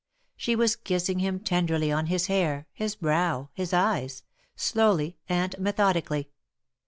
She was kissing him ten derly on his hair, his brow, his eyes — slowly and method ically.